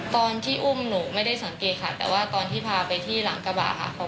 ตอนที่อุ้มหนูไม่ได้สังเกตค่ะแต่ว่าตอนที่พาไปที่หลังกระบะค่ะ